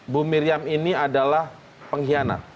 bu miriam ini adalah pengkhianat